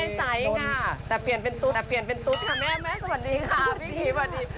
ใจค่ะแต่เปลี่ยนเป็นตุ๊ดแต่เปลี่ยนเป็นตุ๊ดค่ะแม่แม่สวัสดีค่ะพี่ทีฟสวัสดี